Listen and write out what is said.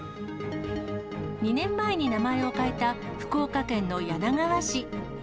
２年前に名前を変えた福岡県の柳川市。